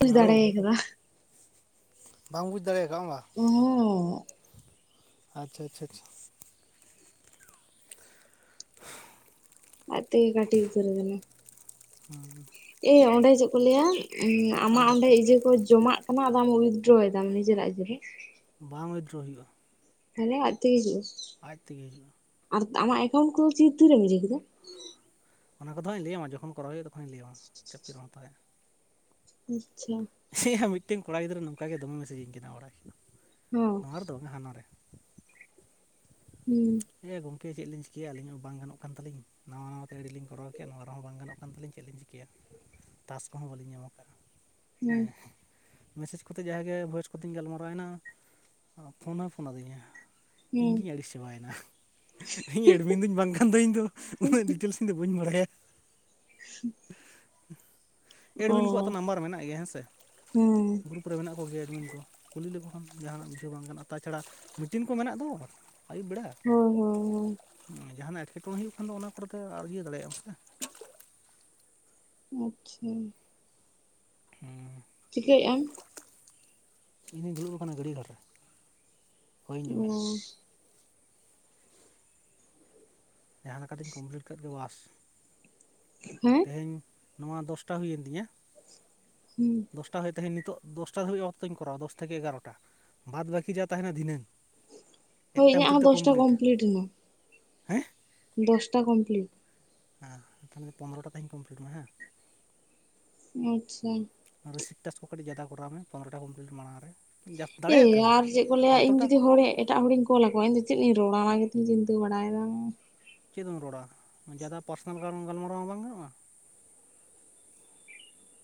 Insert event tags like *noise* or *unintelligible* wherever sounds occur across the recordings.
ᱵᱩᱡᱽ ᱦᱟᱞᱳ ᱫᱟᱲᱮ ᱠᱟᱫᱟ ᱵᱟᱢ ᱵᱩᱡ ᱫᱟᱲᱮᱟᱠᱟᱜ ᱵᱟᱝ *unintelligible* ᱟᱪᱪᱷᱟ ᱟᱪᱪᱷᱟ ᱟᱪᱪᱷᱟ *inaudible* ᱟᱡ ᱛᱤᱜᱤ ᱠᱟᱴᱤᱡ ᱩᱛᱤᱹᱨ ᱟᱠᱟᱱᱟ᱾ ᱦᱩᱸ ᱮ ᱚᱸᱰᱮ ᱪᱮᱫ ᱠᱚ ᱞᱟᱹᱭᱟ ᱩᱸ ᱟᱢᱟᱜ ᱟᱨ ᱚᱸᱰᱮ ᱤᱭᱟᱹ ᱠᱚ ᱡᱚᱢᱟᱜ ᱟᱢᱟᱜ ᱟᱢ ᱩᱭᱰᱨᱚᱮᱫᱟᱢ ᱱᱤᱡᱮᱨᱟᱜ ᱜᱮ ᱵᱟᱝ ᱣᱤᱫᱰᱨᱚ ᱦᱩᱭᱩᱜᱼᱟ᱾ ᱛᱟᱦᱞᱮ ᱟᱡ ᱛᱮᱜᱮ ᱦᱤᱡᱩᱜ ᱼᱟ᱾ ᱟᱡ ᱛᱮᱜᱤ ᱦᱤᱡᱩᱜᱼᱟ᱾ ᱟᱨᱛ ᱟᱢᱟᱜ ᱮᱠᱟᱣᱟᱱᱴ ᱠᱚ ᱪᱤᱫ ᱛᱩ ᱨᱮᱢ ᱤᱫᱤ ᱠᱮᱫᱟ ᱚᱱᱟ ᱠᱚᱫᱚ ᱦᱟᱸᱜ ᱤᱧ ᱞᱟᱹᱭᱟ ᱢᱟ ᱡᱚᱠᱷᱚᱱ ᱠᱚᱨᱟᱣ ᱦᱳᱭᱳᱜᱼᱟ ᱛᱚᱠᱷᱚᱱ ᱤᱧ ᱞᱟᱹᱭᱟᱢᱟ ᱪᱟᱯ ᱪᱟᱜ ᱮᱢ ᱦᱟᱛᱟᱣ ᱮᱜ ᱟ᱾ ᱟᱪᱪᱷᱟ᱾ ᱮ ᱭᱟ ᱢᱤᱫᱴᱮᱱ ᱠᱚᱲᱟ ᱜᱤᱫᱽᱨᱟᱹ ᱱᱚᱝᱠᱟ ᱜᱮ ᱫᱚᱢᱮ ᱢᱮᱥᱮᱡ ᱤᱧ ᱠᱟᱱᱟ ᱵᱟᱲᱟᱭ ᱠᱮᱜ ᱟᱢ ᱦᱚᱸ ᱾ᱱᱚᱣᱟ ᱨᱮᱫᱚ ᱵᱟᱝᱟ ᱦᱟᱱᱟ ᱨᱮ᱾ ᱦᱩᱸ᱾ ᱮ ᱜᱚᱝᱠᱮ ᱪᱮᱫᱞᱤᱧ ᱪᱤᱠᱭᱟ, ᱟᱹᱞᱤᱧ ᱦᱚᱸ ᱵᱟᱝ ᱜᱟᱱᱚᱜ ᱠᱟᱱ ᱛᱟᱹᱞᱤᱧ, ᱱᱟᱣᱟ ᱱᱟᱣᱟᱛᱮ ᱟᱭ. ᱰᱤ. ᱞᱤᱧ ᱠᱚᱨᱟᱣ ᱠᱮᱫᱼᱟ ᱱᱚᱣᱟ ᱨᱮᱦᱚᱸ ᱵᱟᱝ ᱜᱟᱱᱚᱜ ᱠᱟᱱ ᱛᱟᱞᱤᱧ ᱪᱮᱫ ᱞᱤᱧ ᱪᱤ -ᱠᱟᱹᱭᱟ, ᱴᱟᱠᱥ ᱠᱚᱦᱚᱸ ᱵᱟᱹᱞᱤᱧ ᱧᱟᱢ ᱠᱟᱜᱼᱟ, ᱦᱩᱸ ᱦᱮᱸ᱾ ᱢᱮᱥᱮᱡᱽ ᱠᱚᱛᱮ ᱡᱟᱦᱟᱸ ᱜᱮ ᱵᱷᱚᱭᱮᱥ ᱠᱚᱛᱮᱧ ᱜᱟᱞᱢᱟᱨᱟᱣᱮᱱᱟ, ᱯᱷᱳᱱ ᱦᱚᱸᱭ ᱯᱷᱳᱱ ᱟᱹᱫᱤᱧᱟ ᱦᱩᱸ ᱤᱧᱜᱤᱧ ᱟᱹᱲᱤᱥ ᱪᱟᱵᱟᱭᱮᱱᱟ, ᱤᱧ ᱮᱰᱢᱤᱱᱴ ᱫᱩᱧ ᱵᱟᱝᱠᱷᱟᱱ ᱫᱚ ᱤᱧ ᱫᱚ ᱩᱱᱟᱹᱜ ᱰᱤᱴᱮᱞᱥ ᱤᱧ ᱫᱚ ᱵᱟᱹᱧ ᱵᱟᱲᱟᱭᱟ, *inaudible* ᱚ ᱮᱰᱢᱤᱱ ᱠᱚᱣᱟᱜ ᱛᱚ ᱱᱟᱢᱵᱟᱨ ᱢᱮᱱᱟᱜ ᱜᱮᱭᱟ ᱦᱮᱸᱥᱮ, ᱦᱮᱸ ᱜᱩᱨᱩᱯ ᱠᱚ ᱨᱮ ᱢᱮᱱᱟᱜ ᱠᱚ ᱜᱮᱭᱟ ᱮᱰᱢᱤᱱ ᱠᱚ, ᱠᱩᱞᱤ ᱞᱮᱠᱚ ᱠᱷᱟᱱ ᱡᱟᱦᱟᱸᱱᱟᱜ ᱵᱩᱡᱷᱟᱹᱣ ᱵᱟᱝ ᱜᱟᱱᱚᱜ-ᱟ, ᱛᱟᱪᱷᱟᱲᱟ ᱢᱤᱴᱤᱱ ᱠᱚ ᱢᱮᱱᱟᱜ ᱫᱚ ᱟᱹᱭᱩᱵ ᱵᱮᱲᱟ, ᱦᱳᱭ ᱦᱳᱭ ᱦᱳᱭ ᱡᱟᱦᱟᱸᱱᱟᱜ ᱮᱴᱠᱮᱴᱚᱬᱮ ᱦᱩᱭᱩᱜ ᱠᱷᱟᱱ ᱫᱚ ᱚᱱᱟ ᱠᱚᱨᱮ ᱫᱚ ᱟᱨ ᱤᱭᱟᱹ ᱫᱟᱲᱮᱭᱟᱜ ᱟᱢ ᱥᱮ᱾ ᱟᱪᱪᱷᱟ᱾ ᱦᱩᱸ᱾ ᱪᱤᱠᱟᱹᱭ ᱟᱢ? ᱤᱧ ᱫᱩᱧ ᱫᱩᱲᱩᱵ ᱟᱠᱟᱱᱟ ᱜᱟᱹᱰᱭᱟ ᱜᱷᱟᱴ ᱨᱮ᱾ ᱚᱸᱻ᱾ ᱡᱟᱦᱟᱸ ᱞᱮᱠᱟᱛᱤᱧ ᱠᱚᱢᱯᱞᱤᱴ ᱠᱟᱫ ᱜᱮ ᱵᱟᱥ, ᱦᱩᱸ? ᱛᱮᱦᱮᱧ ᱱᱚᱣᱟ ᱫᱚᱥᱴᱟ ᱦᱩᱭᱮᱱ ᱛᱤᱧᱟᱹ, ᱦᱩᱸ᱾ ᱫᱚᱥᱴᱟ ᱦᱩᱭᱩᱜ ᱛᱮᱦᱮᱧ ᱱᱤᱛᱚᱜ ᱫᱚᱥᱴᱟ ᱫᱷᱟᱹᱵᱤᱡ ᱚᱠᱛᱚᱧ ᱠᱚᱨᱟᱣᱟ ᱫᱚᱥ ᱛᱷᱮᱠᱮ ᱮᱜᱟᱨᱚᱴᱟ, ᱵᱟᱫ ᱵᱟᱠᱤ ᱡᱟ ᱛᱟᱦᱮᱸᱱᱟ ᱫᱷᱤᱱᱟᱹᱝ᱾ ᱦᱳᱭ ᱮᱠᱴᱟ ᱤᱧᱟᱹᱜ ᱵᱷᱤᱛᱤᱨ ᱦᱚᱸ ᱛᱮ ᱫᱚᱥᱴᱟ ᱠᱚᱢᱯᱞᱤᱴ᱾ ᱮᱱᱟ ᱦᱮᱸ! ᱫᱚᱥᱴᱟ ᱠᱚᱢᱯᱞᱤᱴ, ᱦᱮᱸ, ᱛᱟᱦᱚᱞᱮ ᱯᱚᱱᱨᱚᱴᱟ ᱛᱮᱦᱮᱧ ᱠᱚᱢᱯᱞᱤᱴ ᱢᱟ ᱦᱮᱸ᱾ ᱟᱪᱪᱷᱟ᱾ ᱨᱤᱥᱤᱯ ᱴᱟᱠᱥ ᱠᱚ ᱠᱟᱹᱴᱤᱡ ᱡᱟᱫᱟ ᱠᱚᱨᱟᱣ ᱢᱮ ᱯᱚᱱᱨᱚᱴᱟ ᱠᱚᱢᱯᱞᱤᱴ ᱢᱟᱲᱟᱝ ᱨᱮ᱾ ᱮᱻ, ᱫᱟᱲᱮᱭᱟᱜ ᱠᱷᱟᱱᱮᱢ ᱟᱨ ᱪᱮᱫ ᱠᱚ ᱞᱟᱹᱭᱟ ᱤᱧ ᱡᱚᱛᱚᱴᱟ ᱡᱩᱫᱤ ᱦᱚᱲ ᱮᱴᱟᱜ ᱦᱚᱲᱤᱧ ᱠᱚᱞᱟ ᱟᱠᱚᱣᱟ, ᱤᱧ ᱪᱮᱫ ᱞᱤᱭᱮᱧ ᱨᱚᱲᱟ ᱚᱱᱟ ᱜᱮᱛᱚᱧ ᱪᱤᱱᱛᱟᱹ ᱵᱟᱲᱟᱭᱮᱫᱟ, ᱪᱮᱫ ᱮᱢ ᱨᱚᱲᱟ, ᱡᱟᱫᱟ ᱯᱟᱨᱥᱚᱱᱟᱞ ᱜᱟᱞ ᱜᱟᱞᱢᱟᱨᱟᱣ ᱦᱚᱸ ᱵᱟᱝ ᱜᱟᱱᱚᱜᱼᱟ,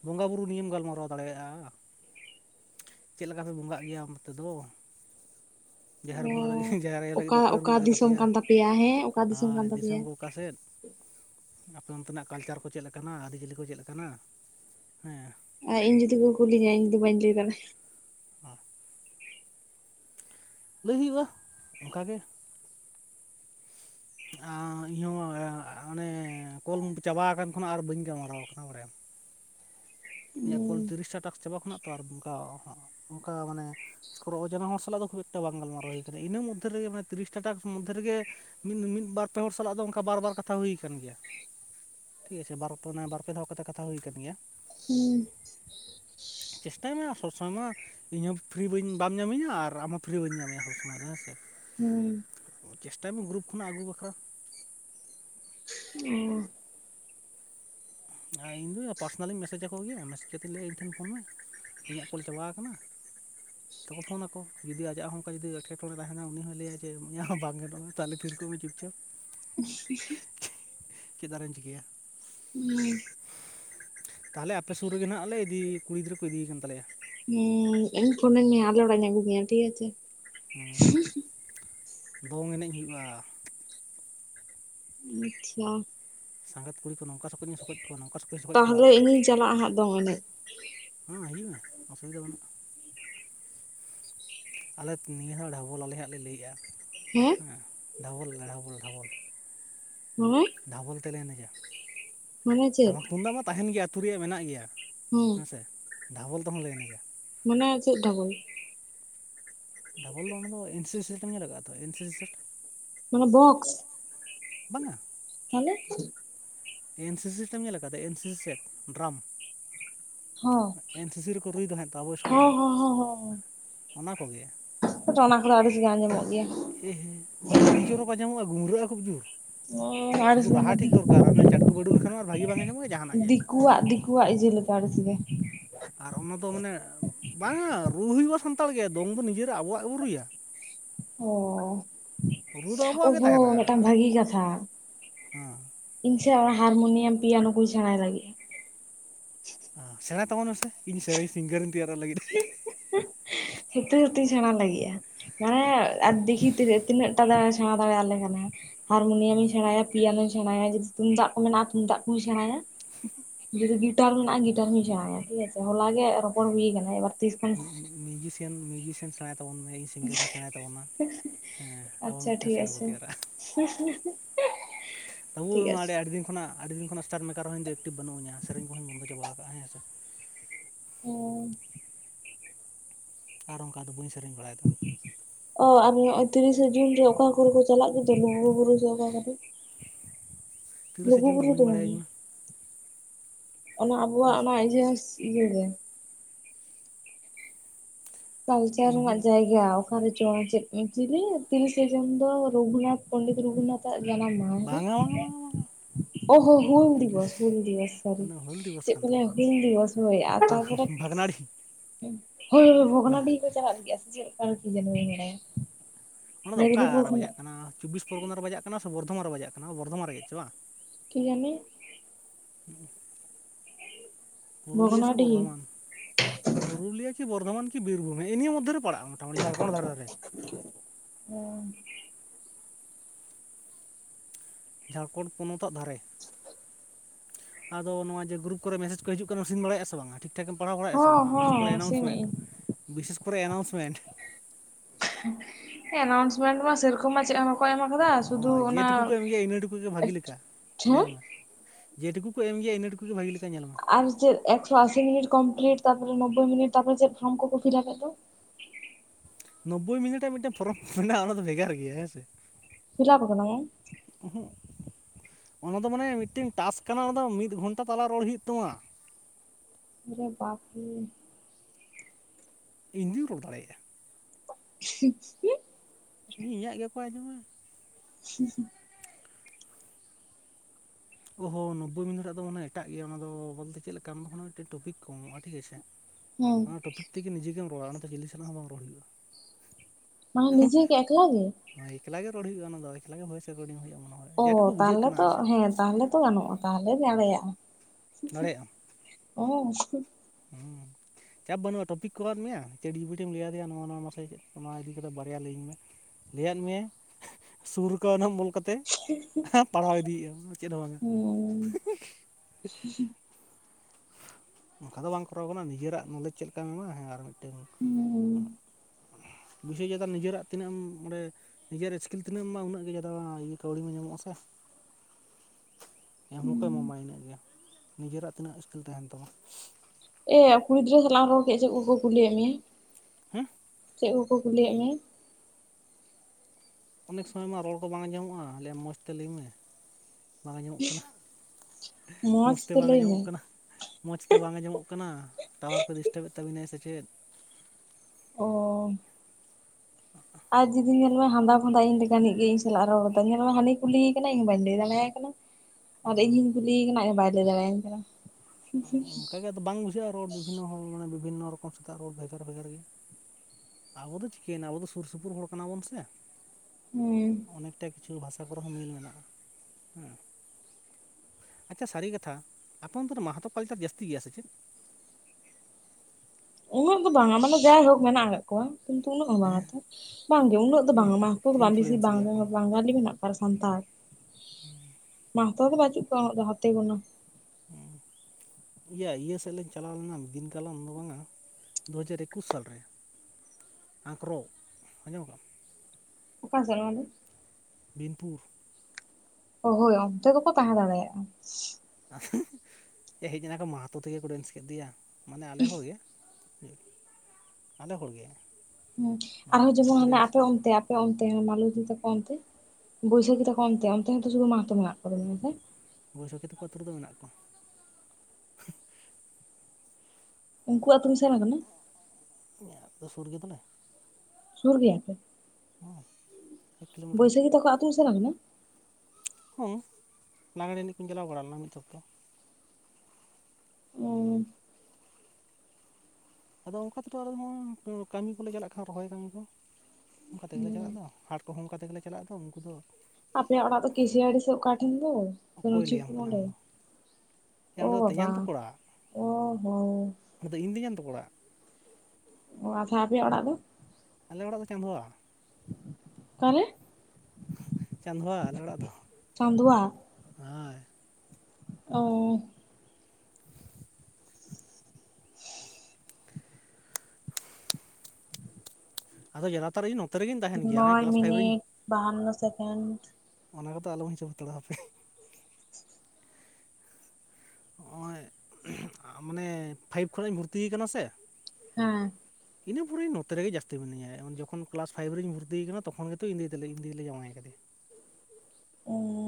ᱵᱚᱸᱜᱟ ᱵᱩᱨᱩ ᱱᱤᱭᱮᱢ ᱜᱟᱞᱢᱟᱨᱟᱣ ᱫᱟᱲᱮᱭᱟᱜᱼᱟ᱾ ᱪᱮᱫ ᱞᱮᱠᱟᱯᱮ ᱵᱚᱸᱜᱟᱜ ᱜᱮᱭᱟ ᱚᱱᱛᱮ ᱫᱚ? ᱡᱟᱦᱮᱨ ᱵᱚᱸᱜᱟ ᱞᱟᱹᱜᱤᱫ ᱡᱟᱦᱮᱨ ᱟᱭᱚ ᱞᱟᱹᱜᱤᱫ ᱚᱠᱟ ᱫᱚ ᱚᱠᱚᱭ ᱚᱠᱟ ᱨᱩᱢᱩᱜ ᱜᱮ ᱫᱤᱥᱚᱢ ᱛᱟᱯᱮᱭᱟ? ᱠᱟᱱ ᱦᱮᱸ ᱚᱠᱟ ᱟᱻ ᱠᱟᱱ ᱫᱤᱥᱚᱢ ᱛᱟᱯᱮᱭᱟ ᱠᱚ ᱚᱠᱟ ᱥᱮᱫ? ᱟᱯᱮ ᱚᱱᱛᱮᱱᱟᱜ ᱠᱟᱞᱪᱟᱨ ᱠᱚ ᱪᱮᱫ ᱞᱮᱠᱟᱱᱟ, ᱟᱹᱨᱤᱪᱟᱹᱞᱤ ᱠᱚ ᱪᱮᱫ ᱞᱮᱠᱟᱱᱟ? ᱦᱮᱸ᱾ ᱟᱨ ᱤᱧ ᱡᱩᱫᱤ ᱠᱚ ᱠᱩᱞᱤᱧᱟ ᱤᱧ ᱫᱚ ᱵᱟᱹᱧ ᱞᱟᱹᱭ *unintelligible* ᱚᱷ, ᱞᱟᱹᱭ ᱦᱩᱭᱩᱜᱼᱟ ᱚᱱᱠᱟᱜ ᱜᱮ᱾ ᱟᱸ ᱤᱧᱦᱚᱸ ᱚᱱᱮ ᱠᱚᱞ ᱪᱟᱵᱟ ᱟᱠᱟᱱ ᱠᱷᱚᱱᱟᱜ ᱟᱨ ᱵᱟᱹᱧ ᱜᱟᱞᱢᱟᱨᱟᱣ ᱟᱠᱟᱱᱟ ᱵᱟᱲᱟᱹᱭ ᱟᱢ, ᱤᱧᱟᱹᱜ ᱠᱚᱞ ᱦᱩᱸ ᱛᱤᱨᱤᱥᱴᱟ ᱴᱟᱠᱥ ᱪᱟᱵᱟ ᱠᱷᱚᱱᱟᱜ ᱛᱚ ᱟᱨ ᱚᱱᱠᱟ, ᱚᱱᱠᱟ ᱢᱟᱱᱮ ᱚ ᱡᱟᱱᱟ ᱦᱚᱲ ᱥᱟᱞᱟᱜ ᱫᱚ ᱠᱷᱩᱵ ᱮᱠᱴᱟ ᱵᱟᱝ ᱜᱟᱞᱟᱨᱟᱣ ᱦᱩᱭ ᱠᱟᱱᱟ, ᱤᱱᱟᱹ ᱢᱚᱫᱷᱮ ᱨᱮᱜᱮ ᱢᱟᱱᱮ ᱛᱤᱨᱤᱥ ᱴᱟ ᱴᱟᱠᱥ ᱢᱚᱫᱽᱫᱷᱮ ᱨᱮᱜᱮ ᱢᱤᱫ ᱢᱤᱫ ᱵᱟᱨ, ᱯᱮ ᱦᱚᱲ ᱥᱟᱞᱟᱜ ᱫᱚ ᱚᱱᱠᱟ ᱵᱟᱨ ᱵᱟᱨ ᱠᱟᱛᱷᱟ ᱦᱩᱭ ᱟᱠᱟᱱ ᱜᱮᱭᱟ, ᱴᱷᱤᱠ ᱟᱪᱷᱮ, *unintelligible* ᱵᱟᱨ, ᱯᱮ ᱫᱷᱟᱣ ᱠᱟᱛᱮ ᱠᱟᱛᱷᱟ ᱦᱩᱭ ᱠᱟᱱ ᱜᱮᱭᱟ, ᱦᱩᱸ᱾ ᱪᱮᱥᱴᱟᱭ ᱢᱮ, ᱟᱨ ᱥᱚᱵ ᱥᱚᱢᱚᱭ ᱢᱟ ᱤᱧᱦᱚᱸ ᱯᱷᱨᱤ ᱵᱟᱹᱧ, ᱵᱟᱢ ᱧᱟᱢᱤᱧᱟ ᱟᱨ ᱟᱢᱦᱚᱸ ᱯᱷᱨᱤ ᱵᱟᱹᱧ ᱧᱟᱢ ᱢᱮᱭᱟ ᱥᱚᱵ ᱥᱚᱢᱚᱭ ᱫᱚ ᱦᱮᱸ ᱥᱮ, ᱦᱩᱸ᱾ ᱪᱮᱥᱴᱟᱭ ᱢᱮ ᱜᱨᱩᱯ ᱠᱷᱚᱱᱟᱜ ᱟᱹᱜᱩ ᱵᱟᱠᱷᱨᱟ᱾ ᱚᱻ᱾ ᱟ ᱤᱧᱫᱚ ᱯᱟᱨᱥᱚᱱᱟᱞᱤᱧ ᱢᱮᱥᱮᱡ ᱟᱠᱚ ᱜᱮᱭᱟ, ᱢᱮᱥᱮᱡ ᱠᱟᱛᱮ ᱤᱧ ᱞᱟᱹᱭᱼᱟ ᱤᱧ ᱴᱷᱮᱱ ᱯᱷᱳᱱ ᱢᱮ᱾ ᱤᱧᱟᱹᱜ ᱠᱚᱞ ᱪᱟᱵᱟ ᱟᱠᱟᱱᱟ᱾ ᱛᱚ ᱛᱷᱚᱱ ᱟᱠᱚ ᱡᱩᱫᱤ ᱟᱡᱟᱜ ᱦᱚᱸ ᱚᱝᱠᱟ ᱡᱩᱫᱤ ᱮᱴᱠᱮᱴᱚᱬᱮ ᱛᱟᱦᱮᱱᱟ ᱩᱱᱤ ᱦᱚᱸᱭ ᱞᱟᱹᱭᱟ ᱡᱮ ᱩᱱᱤᱭᱟᱜ ᱦᱚᱸ ᱵᱟᱝ ᱜᱟᱱᱚᱜᱼᱟ᱾ ᱛᱟᱦᱞᱮ ᱛᱷᱤᱨ ᱠᱟᱜ ᱢᱮ ᱪᱩᱯᱼᱪᱟᱯ᱾ *inaudible* ᱪᱤᱜ ᱫᱟᱨᱮᱧ ᱪᱤᱠᱟᱹᱭᱟ? ᱩᱸ᱾ ᱛᱟᱦᱚᱞᱮ ᱟᱯᱮ ᱥᱩᱨ ᱨᱮᱜᱮ ᱱᱟᱜ ᱟᱞᱮ ᱤᱫᱤ ᱠᱩᱲᱤ ᱜᱤᱫᱽᱨᱟᱹ ᱠᱚ ᱤᱫᱤᱭ ᱠᱟᱱ ᱛᱟᱞᱮᱭᱟ᱾ ᱩᱸ, ᱤᱧ ᱯᱷᱳᱱ ᱟᱹᱧ ᱢᱮ ᱟᱞᱮ ᱚᱲᱟᱧ ᱟᱜᱩ ᱢᱮᱭᱟ ᱴᱷᱤᱜ ᱟᱪᱮ᱾ ᱫᱚᱝ ᱮᱱᱮᱡ ᱦᱩᱭᱩᱜᱼᱟ᱾ ᱩᱸᱪᱪᱷᱟ᱾ ᱥᱟᱸᱜᱟᱛ ᱠᱩᱲᱤ ᱠᱚ ᱱᱚᱝᱠᱟ ᱥᱚᱠᱚᱡᱽ ᱤᱧ ᱥᱚᱠᱚᱡ ᱠᱚᱣᱟ ᱱᱚᱝᱠᱟ ᱛᱟᱦᱚᱞᱮ ᱤᱧᱤᱧ ᱪᱟᱞᱟᱜᱼᱟ ᱦᱟᱸᱜ ᱫᱚᱝ ᱮᱱᱮᱡ᱾ ᱦᱚᱸ ᱦᱤᱡᱩᱜ ᱢᱮ, ᱚᱥᱩᱵᱤᱫᱟ ᱵᱟᱹᱱᱩᱜ᱾ ᱟᱞᱮ ᱯᱩᱱᱭᱟᱹ ᱦᱚᱸ ᱰᱷᱟᱵᱚᱞ ᱟᱞᱮ ᱦᱟᱸᱜ ᱞᱮ ᱞᱟᱹᱭ ᱮᱼᱟ᱾ ᱦᱩᱸ᱾ ᱮᱸ ᱫᱷᱟᱵᱚᱞ, ᱫᱷᱟᱵᱚᱞ, ᱫᱷᱟᱵᱚᱞ᱾ ᱢᱟᱱᱮ? ᱫᱷᱟᱵᱚᱞ ᱛᱮᱞᱮ ᱮᱱᱮᱡᱟ, ᱢᱟᱱᱮ ᱴᱟᱢᱟᱠ ᱛᱩᱢᱫᱟᱜ ᱢᱟ ᱛᱟᱦᱮᱱ ᱜᱮᱭᱟ ᱟᱹᱛᱩ ᱨᱮᱭᱟᱜ ᱢᱮᱱᱟᱜ ᱜᱮᱭᱟ᱾ ᱦᱩᱸ᱾ ᱦᱮᱸ ᱥᱮ, ᱰᱷᱟᱵᱚᱞ ᱛᱮ ᱦᱚᱞᱮ ᱮᱱᱮᱡᱟ᱾ ᱢᱟᱱᱮ ᱪᱮᱜ ᱰᱷᱟᱵᱚᱞ? ᱫᱷᱟᱵᱚᱞ ᱫᱚ ᱚᱱᱟ ᱫᱚ ᱮᱱᱥᱤᱥᱤ ᱥᱮᱴᱮᱢ ᱧᱮᱞ ᱟᱠᱟᱼᱟ ᱛᱚ, ᱮᱱᱥᱤᱥᱤ ᱥᱮᱴ᱾ ᱢᱟᱱᱮ ᱵᱚᱠᱥ᱾ ᱵᱟᱝᱟ᱾ ᱛᱟᱦᱞᱮ? ᱮᱱ ᱥᱤᱥᱤᱴᱮᱢ ᱧᱮᱞ ᱟᱠᱟᱫᱟ, ᱮᱱᱥᱤᱥᱤ ᱥᱮᱴ, ᱰᱨᱟᱢ᱾ ᱦᱚᱸ ᱮᱱᱥᱤᱥᱤ ᱨᱮᱠᱚ ᱨᱩᱭ ᱫᱚ ᱦᱟᱸᱜ ᱛᱚ ᱟᱵᱚ ᱤᱥᱠᱩᱞ ᱦᱚᱸ ᱨᱮ, ᱦᱚᱸ ᱚᱱᱟ ᱠᱚᱜᱮ᱾ ᱦᱟᱹᱴ ᱚᱱᱟ ᱠᱚᱫᱚ ᱟᱲᱤᱥ ᱜᱮ ᱟᱸᱡᱚᱢᱚᱜ ᱜᱮᱭᱟ᱾ ᱮ ᱦᱮᱦᱮ, ᱟᱹᱰᱤ ᱡᱳᱨ ᱦᱚᱠᱚ ᱟᱸᱡᱚᱢᱚᱜᱼᱟ ᱜᱩᱢᱨᱟᱹᱜᱼᱟ ᱠᱷᱩᱵ ᱡᱳᱨ᱾ ᱟᱹᱲᱤᱥ ᱥᱩᱫᱩ ᱜᱮ ᱚᱱᱟ ᱨᱟᱦᱟ ᱴᱷᱤᱠ ᱫᱚᱨᱠᱟᱨ ᱟᱨ ᱚᱱᱟ ᱪᱟᱰᱜᱩ ᱵᱟᱹᱰᱩᱜ ᱞᱮᱠᱷᱟᱱ ᱢᱟ ᱟᱨ ᱵᱷᱟᱜᱤ ᱵᱟᱝ ᱟᱸᱡᱚᱢᱚᱜᱼᱟ ᱡᱟᱦᱟᱱᱟᱜ ᱜᱮ᱾ ᱠᱩᱣᱟᱜ ᱫᱤᱠᱩᱣᱟᱜ ᱤᱡᱟᱹ ᱞᱮᱠᱟ ᱟᱹᱲᱤᱥ ᱜᱮ᱾ ᱟᱨ ᱚᱱᱟ ᱫᱚ ᱢᱟᱱᱮ, ᱵᱟᱝᱟ ᱨᱩ ᱦᱩᱭᱩᱜᱼᱟ ᱥᱟᱱᱛᱟᱲ ᱜᱮ ᱫᱚᱱ ᱫᱚ ᱱᱤᱡᱮᱨᱟᱜ ᱟᱵᱚᱣᱟᱜ ᱜᱮᱵᱚ ᱨᱩᱭᱟ᱾ ᱚ, ᱨᱩ ᱫᱚ ᱟᱵᱚᱣᱟᱜ ᱜᱮ ᱚᱵᱚ ᱛᱟᱦᱮᱱᱟ ᱢᱤᱴᱟᱝ ᱵᱷᱟᱹᱜᱤ ᱠᱟᱛᱷᱟ᱾ ᱦᱮᱸ ᱤᱧ ᱥᱮ ᱦᱟᱨᱢᱳᱱᱤᱭᱟᱢ ᱯᱤᱭᱟᱱᱳ ᱠᱚ ᱥᱮᱬᱟᱭ ᱞᱟᱹᱜᱤᱼᱮ᱾ ᱚ ᱥᱮᱬᱟᱭ ᱛᱟᱵᱚᱱ ᱢᱮᱥᱮ, ᱤᱧ ᱥᱮᱨᱮᱧ ᱥᱤᱝᱜᱟᱨᱤᱧ ᱛᱮᱭᱟᱨᱚᱜ ᱞᱟᱹᱜᱤᱫ᱾ ᱦᱤᱛᱩ ᱦᱤᱛᱩ ᱥᱮᱬᱟ ᱞᱟᱹᱜᱤᱜᱼᱮ᱾ ᱢᱟᱱᱮ ᱟᱼᱫᱮᱜᱤ ᱛᱤᱱᱟᱹ ᱛᱤᱱᱟᱹᱜ ᱛᱟᱜᱽᱲᱟ ᱥᱮᱬᱟ ᱫᱟᱲᱮᱭᱟᱜ ᱞᱮ ᱠᱟᱱᱟ, ᱦᱟᱨᱢᱳᱱᱤᱭᱟᱢᱤᱧ ᱥᱮᱬᱟᱭᱟ᱾ ᱯᱮᱭᱟᱱᱟ ᱦᱚᱸᱧ ᱥᱮᱱᱟᱭᱟ ᱡᱩᱫᱤ ᱛᱩᱢᱫᱟᱜ ᱠᱚ ᱢᱮᱱᱟᱜᱼᱟ, ᱛᱩᱢᱫᱟᱜ ᱠᱩᱧ ᱥᱮᱬᱟᱭᱟ᱾ ᱡᱩᱫᱤ ᱜᱤᱴᱟᱨ ᱢᱮᱱᱟᱜᱼᱟ ᱜᱤᱴᱟᱨ ᱦᱚᱸᱧ ᱥᱮᱬᱟᱭᱟ, ᱴᱷᱤᱠ ᱟᱪᱷᱮ ᱦᱚᱞᱟ ᱜᱮ ᱨᱚᱯᱚᱲ ᱦᱩᱭ ᱟᱠᱟᱱᱟ ᱮᱵᱟᱨ ᱛᱤᱥ ᱠᱷᱚᱱ ᱩᱸ-ᱩᱸ-ᱢᱤᱡᱤᱥᱤᱭᱟᱱ ᱢᱤᱭᱡᱤᱥᱤᱭᱟᱱ ᱥᱮᱬᱟᱭ ᱛᱟᱵᱚᱱ ᱢᱮ, ᱤᱧ ᱥᱤᱝᱜᱟᱨᱤᱧ ᱥᱮᱬᱟᱭ ᱛᱟᱵᱚᱱᱟ, ᱦᱮᱸ ᱟᱵᱚ ᱟᱪᱪᱷᱟ ᱢᱤᱜᱴᱮᱱ ᱴᱷᱤᱠ ᱥᱮᱴ ᱵᱚ ᱟᱪᱷᱮ ᱛᱮᱭᱟᱨᱟᱜᱼᱟ᱾ *inaudible* *unintelligible* ᱢᱟ ᱟᱪᱷᱮ ᱟᱹᱰᱤ ᱟᱹᱰᱤ ᱫᱤᱱ ᱠᱷᱚᱱᱟᱜ ᱛᱚᱵᱩ ᱟᱭᱢᱟ, ᱟᱹᱰᱤ ᱫᱤᱱ ᱠᱷᱚᱱᱟᱜ ᱟ. ᱰᱤ ᱫᱤᱱ ᱠᱷᱚᱱᱟᱜ ᱮᱥᱴᱟᱨ ᱢᱮᱠᱟᱨ ᱦᱚᱸ ᱤᱧ ᱮᱠᱴᱤᱵᱷ ᱵᱟᱹᱱᱩᱜ ᱤᱧ-ᱟ, ᱥᱮᱨᱮᱧ ᱠᱚᱦᱚᱧ ᱵᱚᱱᱫᱚ ᱪᱟᱵᱟ ᱟᱠᱟᱜᱼᱟ, ᱦᱮᱸ ᱥᱮ ᱚᱻ ᱟᱨ ᱚᱱᱠᱟ ᱫᱚ ᱵᱟᱹᱧ ᱥᱮᱨᱮᱧ ᱵᱟᱲᱟᱭ ᱮᱫᱟ᱾ ᱚ ᱟᱨ ᱱᱚᱜ ᱚᱭ ᱛᱤᱨᱤᱥᱮ ᱡᱩᱱ ᱨᱮ ᱚᱠᱟ ᱠᱚᱨᱮ ᱠᱚ ᱪᱟᱞᱟᱜ ᱜᱮ ᱛᱚ ᱞᱩᱜᱩᱵᱩᱨᱩ ᱥᱮ ᱚᱠᱟ ᱵᱩᱨᱩ, ᱛᱤᱨᱤᱥᱮ ᱞᱩᱜᱩ ᱡᱩᱱ ᱵᱩᱨᱩ ᱵᱟᱹᱧ ᱫᱚ ᱵᱟᱲᱟᱭᱟ ᱤᱧ ᱚᱱᱟ ᱟᱵᱚᱣᱟᱜ ᱚᱱᱟ ᱤᱭᱟ. ᱥ ᱤᱭᱟᱹ ᱨᱮ ᱠᱟᱞᱪᱟᱨ ᱞᱩᱜᱩ ᱨᱮᱱᱟᱜ ᱡᱟᱭ ᱟᱜ ᱚᱠᱨᱮ ᱪᱚ ᱪᱮᱫ ᱪᱤᱞᱤ ᱜᱮᱭᱟ ᱚᱠᱟ ᱨᱮ ᱪᱚ ᱪᱮᱫ ᱪᱤᱞᱤ ᱛᱤᱨᱤᱥᱮ ᱡᱩᱱ ᱫᱚ ᱨᱩᱜᱷᱩᱱᱟᱛᱷ ᱯᱚᱱᱰᱤᱛ ᱨᱩᱜᱷᱩᱱᱟᱛᱷ, *inaudible* ᱡᱟᱱᱟᱢ ᱢᱟᱦᱟᱸ ᱦᱮᱸᱥᱮᱜ, ᱵᱟᱝᱟ ᱵᱟᱝᱟ ᱵᱟᱝᱟ ᱵᱟᱝᱟ ᱚ ᱦᱚᱸ ᱦᱩᱞ ᱛᱤᱨᱤᱥ ᱫᱤᱵᱚᱥ ᱦᱩᱞ ᱫᱤᱵᱚᱥ ᱥᱚᱨᱤ, ᱚᱱᱟ ᱦᱩᱞ ᱫᱤᱵᱚᱥ ᱪᱮᱫ ᱠᱟᱱ ᱠᱚ ᱞᱟ. ᱭ-ᱟ ᱛᱟᱵᱚᱱᱟ ᱦᱩᱞ ᱫᱤᱵᱚᱥ ᱥᱚᱢᱚᱭ ᱟᱨ ᱛᱟᱨᱯᱚᱨᱮ, ᱵᱷᱟᱜᱽᱱᱟᱲᱤ ᱦᱳᱭ ᱦᱳᱭ ᱚᱱᱟ ᱰᱤᱦᱤ ᱠᱚ ᱪᱟᱞᱟᱜ ᱞᱟᱜᱤᱜ-ᱟ ᱥᱮ ᱪᱮᱫ ᱞᱮᱠᱟ ᱠᱤ ᱡᱟᱱᱤ ᱵᱟᱹᱧ ᱵᱟᱲᱟᱭᱟ, ᱚᱱᱟ ᱫᱚ ᱢᱮᱫᱽᱱᱤᱯᱩᱨ ᱚᱠᱟᱨᱮ ᱵᱟᱡᱟᱜ ᱠᱷᱚᱱᱟᱜ ᱠᱟᱱᱟ ᱪᱚᱵᱵᱤᱥ ᱯᱚᱨᱜᱚᱱᱟ ᱨᱮ ᱵᱟᱡᱟᱜ ᱠᱟᱱᱟ ᱥᱮ ᱵᱚᱨᱫᱷᱚᱢᱟᱱ ᱨᱮ ᱵᱟᱡᱟᱜ ᱠᱟᱱᱟ ᱵᱚᱨᱫᱷᱚᱢᱟ ᱨᱮ ᱪᱮᱫ ᱪᱚ ᱵᱟᱝ᱾ ᱠᱮ ᱡᱟᱱᱤ *unintelligible* *unintelligible* ᱯᱩᱨᱩᱞᱤᱭᱟ ᱥᱮ ᱵᱷᱚᱜᱽᱱᱟᱰᱤᱦᱤ ᱵᱚᱨᱫᱷᱚᱢᱟᱱ ᱯᱩᱨᱩᱞᱤᱭᱟ ᱠᱤ ᱵᱚᱨᱫᱷᱚᱢᱟᱱ ᱠᱤ ᱵᱤᱨᱵᱷᱩᱢ ᱦᱤᱜ ᱱᱤᱭᱟᱹ ᱢᱚᱫᱷᱮ ᱨᱮ ᱯᱟᱲᱟᱜ-ᱟ, ᱚᱸᱰᱮ ᱡᱷᱟᱨᱠᱷᱚᱱᱰ ᱫᱷᱟᱨᱮ ᱨᱮ᱾ ᱦᱩᱸ ᱡᱷᱟᱲᱠᱷᱚᱸᱰ ᱯᱚᱱᱚᱛ ᱟᱜ ᱫᱷᱟᱨᱮ ᱟᱫᱚ ᱱᱚᱣᱟ ᱡᱮ ᱜᱨᱩᱯ ᱠᱚᱨᱮ ᱢᱮᱥᱮᱡᱽ ᱠᱚ ᱦᱤᱡᱩᱜ ᱠᱟᱱᱟ ᱥᱤᱱ ᱵᱟᱲᱟᱭᱟᱜᱼᱟ ᱠᱟᱱᱟ ᱥᱮ ᱵᱟᱝ-ᱟ, ᱴᱷᱤᱠ ᱴᱷᱟᱠᱮᱢ ᱯᱟᱲᱦᱟᱣ ᱵᱟᱲᱟᱭᱮᱫᱼᱟ ᱥᱮ ᱦᱚᱸ ᱵᱟᱝ-ᱟ ᱵᱤᱥᱮᱥ ᱠᱚᱨᱮ ᱦᱚᱸ ᱥᱮᱱᱮᱜ ᱮᱱᱟᱣᱩᱥᱢᱮᱱᱴ ᱤᱧ ᱵᱤᱥᱮᱥ ᱠᱚᱨᱮ ᱮᱱᱟᱣᱩᱥᱢᱮᱱᱴ, ᱮᱱᱟᱣᱩᱱᱥᱢᱮᱱᱴ ᱢᱟ ᱥᱮᱨᱚᱠᱚᱢ ᱢᱟ ᱪᱮᱫ ᱦᱚᱸ ᱠᱚ ᱮᱢ ᱠᱚᱫᱟ, ᱦᱳᱭ ᱡᱮᱴᱩᱠᱩ ᱜᱮᱢ ᱤᱭᱟ. ᱭ ᱤᱱᱟᱹ ᱴᱩᱠᱩ ᱜᱮ ᱵᱷᱟᱹᱜᱤ ᱞᱮᱠᱟ, ᱧᱮᱞ ᱦᱮᱸ ᱢᱮ᱾ ᱡᱮᱴᱩᱠᱩ ᱠᱚ ᱮᱢ ᱜᱮᱭᱟ ᱤᱱᱟᱹ ᱴᱩᱠᱩ ᱜᱮ ᱵᱷᱟᱜᱮ ᱞᱮᱠᱟ ᱧᱮᱞ ᱢᱮ᱾ ᱟᱨ ᱪᱮᱫ ᱮᱠᱥᱚ ᱟᱥᱤ ᱢᱤᱱᱤᱴ ᱠᱚᱢᱯᱤᱞᱞᱤᱴ ᱛᱟᱨᱯᱚᱨ ᱱᱚᱵᱽᱵᱚᱭ ᱢᱤᱱᱤᱴ ᱛᱟᱯᱚᱨ ᱪᱮᱫ ᱯᱷᱚᱨᱚᱢ ᱠᱚ ᱯᱷᱤᱞᱟᱯ ᱮᱫ ᱫᱚ, ᱱᱚᱵᱽᱵᱳᱭ ᱢᱤᱱᱤᱴ-ᱟᱜ ᱢᱤᱫᱴᱟᱜ ᱯᱷᱚᱨᱚᱢ ᱢᱮᱱᱟᱜᱼᱟ, ᱚᱱᱟ ᱫᱚ ᱵᱷᱮᱜᱟᱨ ᱜᱮᱭᱟ ᱦᱮᱸ ᱥᱮ ᱯᱷᱤᱞᱟᱯ ᱟᱠᱟᱫᱟᱢ ᱟᱢ? ᱦᱸ *inaudible* ᱚᱱᱟ ᱫᱚ ᱢᱟᱱᱮ ᱢᱤᱫᱴᱮᱱ ᱴᱟᱥᱠ ᱠᱟᱱᱟ ᱚᱱᱟ ᱫᱚ ᱢᱤᱫ ᱜᱷᱚᱱᱴᱟ ᱛᱟᱞᱟ ᱨᱚᱲ ᱦᱩᱭᱩᱜ ᱛᱟᱢᱟ, ᱚᱨᱮ ᱵᱟᱯᱨᱮ, ᱤᱧ ᱫᱩᱧ ᱨᱚᱲ ᱫᱟᱲᱮᱭᱟᱜᱼᱟ᱾ ᱦ *unintelligible* ᱤᱧ ᱤᱧᱟᱜ ᱜᱮ ᱚᱠᱚᱭ ᱟᱸᱡᱚᱢᱟᱭ, ᱦᱮᱸ ᱦᱩᱸ *unintelligible* ᱚᱦᱚ ᱱᱚᱵᱽᱵᱳᱭ ᱢᱤᱱᱤᱴ ᱟᱜ ᱫᱚ ᱢᱟᱱᱮ ᱮᱴᱟᱜ ᱜᱮᱭᱟ, ᱚᱱᱟ ᱫᱚ ᱵᱚᱞᱛᱮ ᱪᱮᱫ ᱞᱮᱠᱟ ᱚᱱᱟ ᱢᱤᱫᱴᱟᱝ ᱴᱚᱯᱤᱠ ᱠᱚ ᱮᱢᱚᱜᱼᱟ ᱴᱷᱤᱠ ᱟᱪᱷᱮ᱾ ᱦᱮᱸ ᱚᱱᱟ ᱴᱚᱯᱤᱠ ᱛᱮᱜᱮ ᱱᱤᱡᱮ ᱜᱮᱢ ᱨᱚᱲᱟ ᱚᱱᱟᱛᱮ ᱪᱤᱞᱤ ᱥᱟᱞᱟᱜ ᱦᱚᱸ ᱵᱟᱢ ᱨᱚᱲᱟ ᱦᱩᱭᱩᱜᱼᱟ᱾ ᱢᱟᱱᱮ ᱱᱤᱡᱮ ᱜᱮ ᱮᱠᱞᱟ ᱜᱮ ᱦᱳᱭ ᱮᱠᱞᱟ ᱜᱮ ᱨᱚᱲ ᱦᱩᱭᱩᱜᱼᱟ, ᱚᱱᱟ ᱫᱚ ᱜᱮ ᱵᱷᱚᱭᱮᱥ ᱨᱮᱠᱚᱨᱰᱤᱝ ᱦᱩᱭᱩᱜᱼᱟ ᱢᱚᱱᱮ ᱦᱚᱭ, ᱚᱻ ᱡᱮᱴᱩᱠᱩ ᱵᱩᱡᱷᱟᱹᱜ ᱛᱟᱦᱚᱞᱮ ᱠᱟᱱᱟ ᱛᱚ ᱟᱨ ᱪᱮᱫ ᱦᱮᱸ ᱛᱟᱦᱚᱞᱮ ᱛᱚ ᱜᱟᱱᱚᱜᱼᱟ᱾ ᱛᱟᱦᱞᱮ ᱫᱟᱲᱮᱭᱟᱜ ᱫᱟᱲᱮᱭᱟᱜ ᱟᱢ ᱟᱢ *inaudible* ᱩᱸ ᱦᱩᱸ ᱪᱟᱯ ᱵᱟᱹᱱᱩᱜᱼᱟ ᱴᱚᱯᱤᱠ ᱠᱚ ᱮᱢᱟᱫ ᱢᱮᱭᱟ ᱪᱮᱰ ᱡᱤᱯᱤᱴᱤ ᱞᱟᱹᱭ ᱟᱫᱮᱭᱟ ᱱᱚᱣᱟ ᱱᱚᱣᱟ ᱢᱟᱥᱮ ᱪᱮᱫ ᱱᱚᱣᱟ ᱤᱫᱤ ᱠᱟᱛᱮᱫ ᱵᱟᱨᱭᱟ ᱞᱟᱹᱭᱟᱹᱧ ᱢᱮ, ᱞᱟᱹᱭᱟᱫ ᱢᱮᱭᱟ, ᱥᱩᱨᱠᱟᱣ ᱱᱟᱢ ᱚᱞ ᱠᱟᱛᱮ ᱛᱮ ᱟᱨ ᱯᱟᱲᱦᱟᱣ ᱤᱫᱤᱭᱮᱫ ᱟᱢ ᱟᱨ ᱪᱮᱫ ᱦᱚᱸ ᱵᱟᱝ-ᱟ᱾ ᱦᱩᱸ *inaudible* ᱚᱱᱠᱟ ᱫᱚ ᱵᱟᱝ ᱠᱚᱨᱟᱣ ᱠᱟᱱᱟ ᱱᱤᱡᱮᱨᱟᱜ ᱱᱚᱞᱮᱡᱽ ᱪᱮᱫ ᱞᱮᱠᱟᱢ ᱮᱢᱟ ᱦᱮᱸ ᱟᱨ ᱢᱤᱫᱴᱮᱱ, ᱦᱩᱸ ᱵᱩᱡᱷᱟᱹᱣ ᱪᱮᱛᱟᱱ ᱱᱤᱡᱮᱨᱟᱜ ᱛᱤᱱᱟᱹᱜ ᱮᱢ ᱚᱸᱰᱮ ᱱᱤᱡᱮᱨ ᱥᱠᱤᱞ ᱛᱤᱱᱟᱹᱜ ᱮᱢᱟ ᱩᱱᱟᱹᱜ ᱜᱮ ᱡᱟᱫᱟ ᱤᱭᱟ. ᱠᱟᱹᱣᱰᱤ ᱢᱟ ᱧᱟᱢᱚᱜ ᱟᱥᱮ᱾ ᱮᱢ ᱦᱚᱸᱠᱚ ᱮᱢᱟᱢᱟ ᱤᱱᱟᱹᱜ ᱜᱮ ᱱᱤᱡᱮᱨᱟᱜ ᱛᱤᱱᱟᱹᱜ ᱥᱠᱤᱞ ᱛᱟᱦᱮᱸᱱ ᱛᱟᱢᱟ, ᱮ ᱠᱩᱲᱤ ᱜᱤᱫᱽᱨᱟᱹ ᱥᱟᱞᱟᱜ ᱨᱚᱲ ᱠᱮᱜ-ᱟ, ᱪᱮᱫ ᱠᱚ ᱠᱚ ᱠᱩᱞᱤᱭᱮᱫ ᱢᱮᱭᱟ? ᱦᱩᱸ᱾ ᱪᱮᱜ ᱠᱚᱠᱚ ᱠᱩᱞᱤᱭᱮᱜ ᱢᱮᱭᱟ? ᱚᱱᱮᱠ ᱥᱚᱢᱚᱭ ᱢᱟ ᱨᱚᱲ ᱠᱚ ᱵᱟᱝ ᱟᱸᱡᱚᱢᱚᱜᱼᱟ, ᱟᱞᱮ ᱢᱚᱥ ᱛᱮ ᱞᱟᱹᱭ ᱢᱮ᱾ ᱵᱟᱝ ᱟᱸᱡᱚᱢᱚᱜ ᱠᱟᱱᱟ, ᱢᱚᱸᱡᱽ ᱢᱚᱥ ᱛᱮ ᱵᱟᱝ ᱞᱟᱹᱭ ᱢᱮ ᱟᱸᱡᱚᱢᱚᱜ ᱠᱟᱱᱟ᱾ ᱢᱚᱪᱷ ᱛᱮ ᱵᱟᱝ ᱟᱸᱡᱚᱢᱚᱜ ᱠᱟᱱᱟ, ᱴᱟᱣᱟᱨ ᱠᱚ ᱰᱤᱥᱴᱟᱵᱮᱜ ᱛᱟᱹᱵᱤᱱᱟᱭ ᱥᱮ ᱪᱮᱫ? ᱚᱻ᱾ ᱟᱨ ᱡᱩᱫᱤ ᱧᱮᱞᱢᱮ ᱦᱟᱸᱫᱟ ᱵᱷᱚᱸᱫᱟ ᱤᱧ ᱞᱮᱠᱟᱱᱤᱡ ᱜᱮ, ᱤᱧ ᱥᱟᱞᱟᱜ ᱮ ᱨᱚᱲᱫᱟ ᱧᱮᱞ ᱢᱮ ᱦᱟᱱᱤ ᱠᱩᱞᱤᱭᱮ ᱠᱟᱱᱟ ᱤᱧ ᱵᱟᱹᱧ ᱞᱟᱹᱭ ᱫᱟᱲᱮᱭᱟᱭ ᱠᱟᱱᱟ᱾ ᱟᱨ ᱤᱧ ᱦᱚᱧ ᱠᱩᱞᱤᱭᱮ ᱠᱟᱱᱟ ᱚ ᱵᱟᱭ ᱞᱟᱹᱭ ᱫᱟᱲᱮᱭᱟᱹᱧ ᱠᱟᱱᱟ᱾ ᱚᱝᱠᱟᱜᱮ ᱟᱫᱚ ᱵᱟᱝ ᱵᱩᱡᱷᱟᱹᱜᱼᱟ ᱨᱚᱲ, ᱵᱤᱵᱷᱤᱱᱱᱚ ᱦᱚ ᱢᱟᱱᱮ ᱵᱤᱵᱷᱤᱱᱱᱚ ᱨᱚᱠᱚᱢ ᱥᱮᱛᱟᱜ ᱨᱚᱲ ᱵᱷᱮᱜᱟᱨ ᱵᱷᱮᱜᱟᱨ ᱜᱮ᱾ ᱟᱵᱚ ᱫᱚ ᱪᱤᱠᱟᱹᱭ ᱱᱟ, ᱟᱵᱚ ᱫᱚ ᱥᱩᱨᱼᱥᱩᱯᱩᱨ ᱦᱚᱲ ᱠᱟᱱᱟ ᱵᱚᱱ ᱥᱮ᱾ ᱦᱩᱸ᱾ ᱚᱱᱮᱠᱴᱟ ᱠᱤᱪᱷᱩ ᱵᱷᱟᱥᱟ ᱠᱚᱨᱮ ᱦᱚᱸ ᱢᱤᱞ ᱢᱮᱱᱟᱜᱼᱟ ᱦᱮᱸ ᱟᱪᱷᱟ ᱥᱟᱹᱲᱤ ᱠᱟᱛᱷᱟ ᱟᱯᱮ ᱚᱱᱛᱮ ᱫᱚ ᱢᱟᱦᱛᱚ ᱠᱟᱞᱪᱟᱨ ᱡᱟᱹᱥᱛᱤ ᱜᱮᱭᱟ ᱥᱮ ᱪᱮᱫ ᱩᱱᱟᱹᱜ ᱫᱚ ᱵᱟᱝᱟ ᱢᱟᱱᱮ ᱡᱟᱭ ᱦᱳᱠ ᱢᱮᱱᱟᱜ ᱟᱠᱟᱜ ᱠᱚᱣᱟ ᱠᱤᱱᱛᱩ ᱩᱱᱟᱹᱜ ᱦᱚᱸ ᱵᱟᱝᱟ ᱦᱮᱸ ᱛᱚ ᱵᱟᱝᱜᱮ ᱩᱱᱟᱹᱜ ᱫᱚ ᱵᱟᱝᱟ ᱵᱟᱝ ᱜᱮ ᱤᱱᱯᱷᱞᱩᱭᱮᱱᱥ ᱜᱮᱭᱟ ᱠᱚ ᱵᱟᱝᱜᱟᱹᱞᱤ ᱢᱮᱱᱟᱜ ᱠᱚᱣᱟ ᱟᱨ ᱥᱟᱱᱛᱟᱲ *inaudible* ᱢᱟᱦᱛᱚ ᱫᱚ ᱵᱟᱹᱱᱩᱜ ᱠᱚᱣᱟ ᱫᱚ ᱦᱟᱛᱮ ᱜᱳᱱᱟ *inaudible* ᱤᱭᱟ ᱤᱭᱟᱹ ᱥᱮᱫ ᱞᱮᱧ ᱪᱟᱞᱟᱣ ᱞᱮᱱᱟ ᱫᱤᱱ ᱠᱟᱞᱚᱢ ᱫᱚ ᱵᱟᱝᱟ ᱫᱩ ᱦᱟᱡᱟᱨ ᱮᱠᱩᱥ ᱥᱟᱞ ᱨᱮ ᱟᱸᱠᱨᱚᱜ ᱟᱸᱡᱚᱢ ᱠᱟᱜ ᱚᱠᱟ ᱥᱮᱱ ᱚᱱᱟ ᱫᱚ ᱵᱤᱱᱯᱩᱨ ᱳ ᱦᱳᱭ ᱚᱱᱛᱮ ᱫᱚᱠᱚ ᱛᱟᱦᱮᱸ ᱫᱟᱲᱮᱭᱟᱜᱼᱟ ᱮ ᱦᱮᱡ ᱮᱱᱟᱠᱚ ᱢᱟᱦᱚᱛᱳ ᱛᱮᱜᱮ ᱠᱚ ᱰᱮᱱᱥ ᱠᱮᱫ ᱫᱚᱭᱟ, ᱢᱟᱱᱮ ᱟᱞᱮ ᱦᱚᱲᱜᱮ᱾ ᱟᱞᱮ ᱦᱚᱲ ᱜᱮ ᱦᱚᱸ ᱟᱨᱦᱚᱸ ᱢᱟᱦᱟᱛᱚ ᱡᱮᱢᱚᱱ ᱛᱮᱠᱚ ᱦᱟᱱᱟ ᱰᱮᱱᱥ ᱟᱯᱮ ᱠᱮᱫ ᱚᱱᱛᱮ ᱟᱯᱮ ᱚᱱᱛᱮ ᱢᱟᱞᱚᱛᱤ ᱛᱟᱠᱚ ᱚᱱᱛᱮ ᱵᱟᱹᱭᱥᱟᱹᱠᱷᱤ ᱛᱟᱠᱚ ᱚᱱᱛᱮ ᱚᱱᱛᱮ ᱦᱚᱸᱛᱚ ᱥᱩᱫᱩ ᱢᱟᱦᱛᱚ ᱢᱮᱱᱟᱜ ᱠᱚ ᱛᱮ ᱦᱮᱸ ᱥᱮ ᱵᱟᱹᱭᱥᱟᱹᱠᱷᱤ ᱛᱚᱠᱚ ᱟᱹᱛᱩ ᱨᱮᱫᱚ ᱢᱮᱱᱟᱜ ᱠᱚᱣᱟ ᱩᱱᱠᱩ ᱟᱹᱛᱩᱢ ᱥᱮᱱ ᱟᱠᱟᱱᱟ ᱤᱱᱟᱹᱜ ᱫᱚ ᱥᱩᱨ ᱜᱮ ᱛᱟᱞᱮ ᱥᱩᱨ ᱜᱮᱭᱟ ᱯᱮ *inaudible* ᱠᱤᱞᱳᱢᱤᱴᱟᱨ ᱵᱟᱹᱭᱥᱟᱹᱠᱷᱤ ᱛᱚᱠᱚᱣᱟᱜ ᱟᱹᱛᱩᱢ ᱥᱮᱱ ᱠᱟᱱᱟ ᱦᱩᱸ ᱞᱟᱜᱽᱬᱮ ᱮᱱᱮᱡ ᱠᱚᱤᱧ ᱪᱟᱞᱟᱣ ᱵᱟᱲᱟ ᱞᱮᱱᱟ ᱢᱤᱫ ᱚᱠᱛᱚ ᱩᱸᱻ ᱟᱫᱚ ᱚᱝᱠᱟ ᱛᱮᱫᱚ ᱟᱞᱮ ᱦᱚᱸ ᱠᱟᱹᱢᱤ ᱠᱚᱞᱮ ᱪᱟᱞᱟᱜ ᱠᱷᱟᱱ ᱨᱚᱦᱚᱭ ᱠᱟᱹᱢᱤ ᱠᱚ ᱚᱱᱠᱟ ᱛᱮᱜᱮᱞᱮ ᱪᱟᱞᱟᱜᱼᱟ ᱫᱚ ᱦᱟᱴ ᱠᱚᱦᱚᱸ ᱚᱱᱠᱟ ᱛᱮᱜᱮᱞᱮ ᱪᱟᱞᱟᱜᱼᱟ ᱫᱚ ᱩᱱᱠᱩ ᱫᱚ ᱟᱯᱮ ᱚᱲᱟᱜ ᱫᱚ ᱠᱤᱥᱤᱭᱟᱹᱲᱤ ᱥᱯ ᱚᱠᱟᱴᱮᱱ ᱫᱚ ᱚᱠᱚᱭ ᱞᱟᱹᱭᱟᱢ *unintelligible* ᱠᱟᱱᱟ ᱚᱸᱰᱮ ᱟᱢᱫᱚ ᱭᱟ ᱚ ᱚᱸᱰᱮ ᱫᱚ ᱵᱟᱵᱟ ᱛᱮᱧᱟᱝ ᱚᱦᱚ ᱚᱱᱟᱫᱚ ᱤᱧ ᱛᱤᱧᱟᱹᱝ ᱛᱚᱠᱚ ᱚᱲᱟᱜ ᱚ ᱟᱪᱷᱟ ᱟᱯᱮᱭᱟᱜ ᱚᱲᱟᱜ ᱫᱚ ᱟᱞᱮ ᱚᱲᱟᱜ ᱞᱮ ᱪᱟᱸᱫᱣᱟ ᱛᱟᱦᱞᱮ ᱪᱟᱸᱫᱳᱣᱟ ᱟᱞᱮ ᱚᱲᱟᱜ ᱫᱚ ᱪᱟᱸᱫᱣᱟ ᱦᱚᱭ ᱚᱸ *inaudible* ᱟᱫᱚ ᱡᱟᱫᱟᱛᱟᱨ ᱱᱚᱛᱮ ᱨᱮᱜᱤᱧ ᱛᱟᱦᱱ ᱜᱮᱭᱟ ᱱᱚᱜᱼᱚᱭ ᱱᱚᱭ ᱠᱞᱟᱥ ᱯᱷᱟᱭᱤᱵ ᱨᱤᱧ ᱢᱤᱱᱤᱴ ᱵᱟᱦᱟᱱᱱᱚ ᱥᱮᱠᱮᱱᱰ ᱚᱱᱟ ᱠᱚᱛᱮ ᱟᱞᱚᱢ ᱦᱧᱪᱟᱹ ᱦᱟᱛᱟᱲᱟᱣ ᱟᱯᱮ ᱦᱚᱸᱜᱼᱚᱭ ᱢᱟᱱᱮ ᱯᱷᱟᱭᱤᱵᱽ ᱠᱷᱚᱱᱟᱜ ᱤᱧ ᱵᱷᱚᱨᱛᱤ ᱠᱟᱱᱟ ᱥᱮ ᱦᱮᱸ ᱤᱱᱟᱹ ᱯᱚᱨᱮ ᱱᱚᱛᱮ ᱨᱮᱮ ᱡᱟᱹᱥᱛᱤ ᱢᱱᱟᱹᱧᱟ ᱤᱱᱟ ᱯᱚᱨᱮ ᱤᱱᱟᱹ ᱯᱚᱨᱮ ᱱᱚᱛᱮ ᱨᱮᱜᱮ ᱡᱟᱹᱥᱛᱤ ᱢᱤᱱᱤᱧᱟ ᱩᱱ ᱡᱚᱠᱷᱚᱱ ᱠᱞᱟᱥ ᱯᱷᱟᱭᱤᱵᱽ ᱨᱮᱤᱧ ᱵᱷᱚᱨᱛᱤᱭ ᱠᱟᱱᱟ ᱛᱚᱠᱷᱚᱱ ᱜᱮᱛᱚ ᱤᱧ ᱫᱤᱫᱤ ᱫᱞᱮ ᱡᱟᱶᱟᱭ ᱠᱟᱫᱮᱭᱟ ᱩᱸ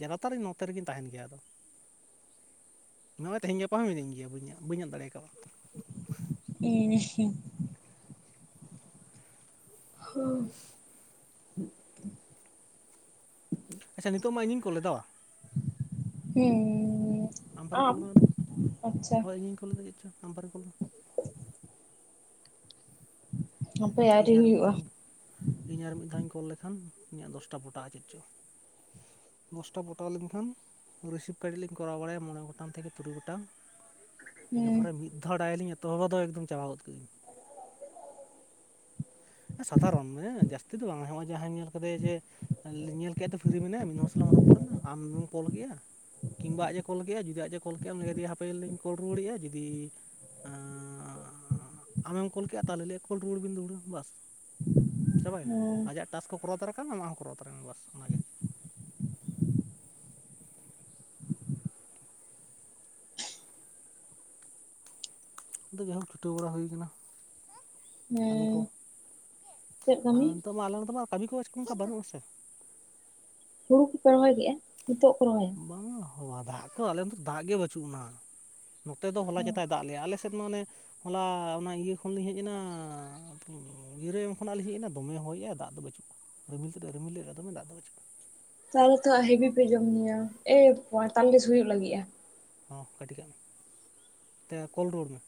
ᱡᱟᱫᱟᱛᱟᱨ ᱤᱧ ᱱᱚᱛᱮ ᱨᱮᱜᱤᱧ ᱛᱟᱦᱮᱱ ᱜᱮᱭᱟ ᱟᱫᱚ ᱱᱚᱣᱟ ᱛᱮᱦᱮᱧ ᱜᱟᱯᱟ ᱦᱚᱸ ᱢᱤᱱᱟᱧ ᱜᱮᱭᱟ ᱵᱟᱹᱧ *unintelligible* ᱫᱟᱲᱮᱠᱟᱣᱟ ᱩᱸ ᱦᱩᱸ ᱦᱟᱹ ᱟᱪᱪᱷ ᱱᱤᱛᱚᱜ ᱢᱟ ᱤᱧᱤᱧ ᱠᱚᱞᱟᱛᱚ ᱦᱩᱸ ᱻ ᱟᱢ ᱯᱟᱨᱤ ᱠᱚᱞ ᱢᱮ ᱛᱫᱚ ᱦᱳᱭ ᱤᱧᱤᱧ ᱠᱞ ᱞᱮᱫᱟ ᱪᱮᱫ ᱪᱚ ᱟᱢ ᱯᱟᱨᱤ ᱠᱚᱞ ᱢᱮ *inaudible* ᱦᱟᱯᱮ ᱟᱹᱣᱨᱤ ᱤᱧ ᱟᱨ ᱢᱤᱫ ᱦᱩᱭᱩᱜᱼᱟ ᱫᱷᱟᱣ ᱤᱧ ᱟᱨ ᱢᱤᱫ ᱫᱷᱟᱣ ᱤᱧ ᱠᱚᱞ ᱞᱮ ᱠᱷᱟᱱ ᱤᱧᱟᱹᱜ ᱫᱚᱥᱴᱟ ᱯᱚᱴᱟᱼᱟ ᱪᱮᱫ ᱪᱚ ᱫᱚᱥᱴᱟ ᱯᱚᱴᱟᱣ ᱞᱮᱱ ᱠᱷᱟᱱ ᱨᱤᱥᱤᱵᱷ ᱠᱟᱹᱴᱤᱡ ᱞᱤᱧ ᱠᱚᱨᱟᱣ ᱵᱟᱲᱟᱭᱟ ᱢᱚᱬᱮ ᱜᱚᱴᱟᱝ ᱛᱷᱮᱠᱮ ᱛᱩᱨᱩᱭ ᱜᱚᱴᱟᱝ ᱤᱱᱟᱹ ᱦᱩᱸ ᱯᱚᱨᱮ ᱢᱤᱫ ᱫᱷᱟᱣ ᱰᱟᱭ ᱞᱤᱧ ᱮᱛᱚ ᱦᱚᱵ ᱫᱚ ᱮᱠ ᱫᱚᱢ ᱪᱟᱵᱟᱣ ᱜᱚᱫ ᱠᱟᱹᱜ ᱤᱧ ᱥᱟᱫᱷᱟ ᱨᱚᱱ ᱢᱟᱱᱮ ᱡᱟᱹᱥᱛᱤ ᱫᱚ ᱵᱟᱝ ᱱᱚᱼᱼᱟ ᱡᱟᱦᱟᱸᱭ ᱧᱮᱞ ᱠᱟᱫᱟᱭ ᱡᱮ ᱧᱮᱞ ᱠᱮᱫ ᱯᱷᱤᱨᱤ ᱢᱮᱱᱟ ᱭᱟ ᱢᱤᱫ ᱦᱚᱲ ᱥᱟᱞᱟᱜ ᱨᱚᱯᱚᱲ ᱱᱟ ᱟᱢᱮᱢ ᱠᱚᱞ ᱠᱮᱫ ᱮᱜᱼᱟ᱾ ᱠᱤᱱ ᱵᱟ ᱟᱡ ᱮ ᱠᱚᱞ ᱠᱮᱫᱟ ᱡᱩᱫᱤ ᱟᱡ ᱮ ᱠᱚᱞ ᱠᱮᱜᱼᱟ ᱩᱱ ᱜᱮ ᱦᱟᱯᱮ ᱞᱤᱧ ᱠᱚᱞ ᱨᱩᱣᱟᱹᱲ ᱮᱜᱼᱟ ᱡᱩᱫᱤ ᱟᱻᱻ ᱟᱢᱮᱢ ᱠᱚᱞ ᱠᱮᱫᱟ ᱛᱟᱦᱞᱮ ᱠᱚᱞ ᱨᱩᱣᱟᱹᱲ ᱵᱮᱱ ᱫᱩᱲᱦᱟᱹ ᱵᱟᱥ ᱪᱵᱟᱭ ᱱᱟ ᱦᱩᱸ ᱟᱡᱟᱜ ᱴᱟᱥ ᱠᱚ ᱠᱚᱨᱟᱣ ᱛᱟᱨᱟ ᱠᱟᱜᱼᱟ ᱟᱢᱟᱜ ᱦᱚᱸ ᱠᱚᱨᱟᱣ ᱛᱟᱨᱟᱭ ᱟᱢ ᱵᱟᱥ ᱚᱱᱟ ᱜᱮ ᱟᱫᱚ ᱡᱟᱦᱟᱸ ᱦᱳᱠ ᱪᱷᱩᱴᱟᱹᱣ ᱵᱟᱲᱟ ᱦᱩᱭ ᱟᱠᱟᱱᱟ᱾ ᱠᱟᱹᱢᱤ ᱠᱚ ᱦᱮᱸ ᱪᱮᱫ ᱟᱨ ᱠᱟᱹᱢᱤ ᱱᱤᱛᱳᱜ ᱢᱟ ᱟᱞᱮ ᱱᱤᱛ ᱢᱟ ᱠᱟᱹᱢᱤ ᱠᱚ ᱚᱱᱠᱟ ᱵᱟᱹᱱᱩᱜ ᱟᱥᱮ ᱦᱩᱲᱩ ᱠᱚ ᱯᱮ ᱨᱚᱦᱚᱭ ᱠᱮᱜᱼᱟ ᱱᱤᱛᱚᱜ ᱠᱚ ᱨᱚᱦᱚᱭ-ᱟ᱾ ᱵᱟᱝ-ᱟ ᱦᱚᱸ ᱫᱟᱜ ᱠᱚ ᱟᱞᱮ ᱫᱚ ᱫᱟᱜ ᱜᱮ ᱵᱟᱹᱪᱩᱜ-ᱟ᱾ ᱱᱚᱛᱮ ᱫᱚ ᱦᱚᱞᱟ ᱪᱮᱛᱟ ᱫᱟᱜ ᱞᱮ ᱟᱞᱮᱥ ᱥᱮᱫ ᱢᱟᱱᱮ ᱦᱚᱞᱟ ᱚᱱᱟ ᱤᱭᱟᱹ ᱠᱷᱚᱱ ᱞᱤᱧ ᱦᱮᱡ ᱮᱱᱟ ᱜᱤᱨᱟᱹ ᱮᱢ ᱠᱷᱚᱱᱟᱜ ᱞᱤᱧ ᱦᱮᱡ ᱮᱱᱟ ᱫᱚᱢᱮ ᱦᱚᱭᱼᱟ ᱫᱟᱜ ᱫᱚ ᱵᱟᱹᱪᱩᱜᱼᱟ᱾ ᱨᱤᱢᱤᱞ ᱛᱮᱫ ᱨᱤᱢᱤᱞ ᱨᱮᱭᱟᱜ ᱫᱚᱢᱮ ᱫᱟᱜ ᱫᱚ ᱛᱟᱦᱞᱮ ᱛᱚ ᱦᱮᱵᱤ ᱯᱮ ᱡᱚᱢ ᱧᱩᱭᱟ ᱮ ᱯᱚᱸᱭ ᱛᱟᱞᱤᱥ ᱦᱩᱭᱩᱜ ᱞᱟᱹᱜᱤᱫᱼᱟ᱾ ᱦᱚᱸ ᱠᱟᱹᱴᱤᱡ ᱠᱟᱜ ᱛᱮ ᱠᱚᱞ ᱨᱩᱣᱟᱹᱲ ᱢᱮ ᱾